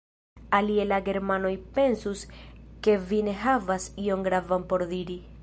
Alie la germanoj pensus ke vi ne havas ion gravan por diri!